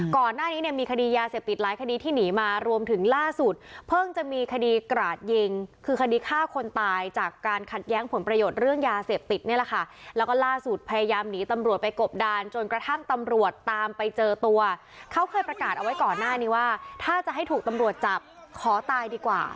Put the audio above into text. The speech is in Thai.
ก่อนหน้านี้เนี่ยมีคดียาเสพติดหลายคดีที่หนีมารวมถึงล่าสุดเพิ่งจะมีคดีกราดยิงคือคดีฆ่าคนตายจากการขัดแย้งผลประโยชน์เรื่องยาเสพติดนี่แหละค่ะแล้วก็ล่าสุดพยายามหนีตำรวจไปกบดานจนกระทั่งตำรวจตามไปเจอตัวเขาเคยประกาศเอาไว้ก่อนหน้านี้ว่าถ้าจะให้ถูกตำรวจจับขอตายดีกว่า